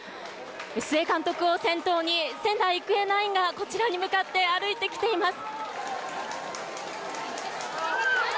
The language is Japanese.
須江監督を先頭に仙台育英ナインがこちらに歩いてきています。